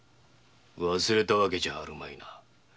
忘れたわけじゃあるまいな。